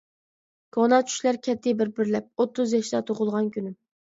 كونا چۈشلەر كەتتى بىر-بىرلەپ، ئوتتۇز ياشتا تۇغۇلغان كۈنۈم.